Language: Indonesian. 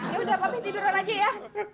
yaudah papi tiduran aja ya